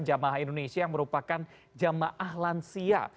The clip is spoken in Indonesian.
jamaah indonesia yang merupakan jamaah lansia